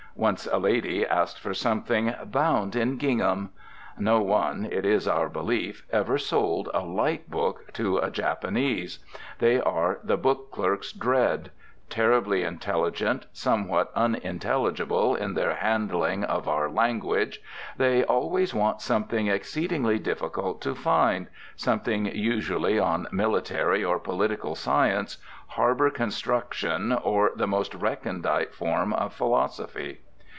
Once a lady asked for something "bound in gingham." No one, it is our belief, ever sold a light book to a Japanese. They are the book clerk's dread. Terribly intelligent, somewhat unintelligible in their handling of our language, they always want something exceedingly difficult to find, something usually on military or political science, harbour construction or the most recondite form of philosophy.